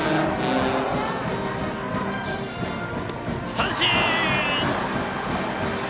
三振！